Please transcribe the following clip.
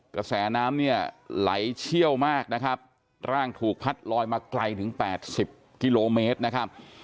กระแสน้ำเนี่ยไหลเชี่ยวมากนะครับร่างถูกพัดลอยมาไกลถึง๘๐กิโลเมตรนะครับ